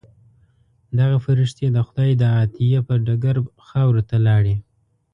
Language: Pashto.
دغه فرښتې د خدای د عطیې پر ډګر خاورو ته لاړې.